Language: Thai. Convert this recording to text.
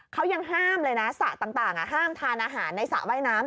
เขายังห้ามเลยนะสระต่างห้ามทานอาหารในสระว่ายน้ำ